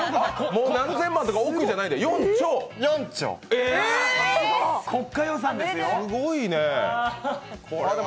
もう何千万とか億じゃないんだ！